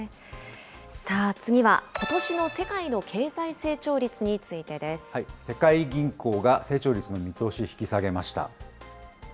さあ、次は、ことしの世界の経済成長率についてです。世界銀行が成長率の見通し、引き下げました。